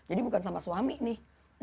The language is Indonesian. jadi bukan sama suami nih